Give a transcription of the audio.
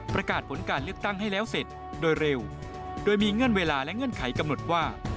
ประกาศผลการเลือกตั้งให้แล้วเสร็จโดยเร็วโดยมีเงื่อนเวลาและเงื่อนไขกำหนดว่า